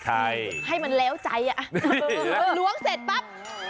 ใช่ให้มันแล้วใจอ่ะล้วงเสร็จปั๊บ